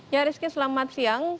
ya rizky selamat siang